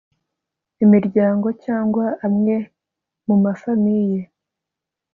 imiryango cyangwa amwe mumafamiye